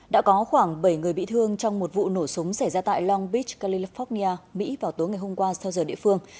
đã có khoảng bảy người bị thương trong một vụ nổ súng xảy ra tại long beach california mỹ vào tối ngày hôm qua theo giờ địa phương